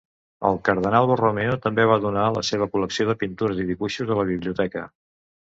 El cardenal Borromeo també va donar la seva col·lecció de pintures i dibuixos a la biblioteca.